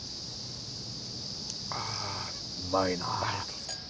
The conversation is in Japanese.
あうまいな。